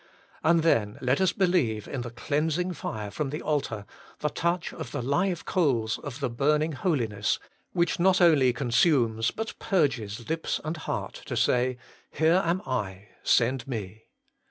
And then let us believe in the cleansing fire from the altar, the touch of the live coals of the burning holiness, which not only consumes, but purges lips and heart to say, ' Here am I, send me.'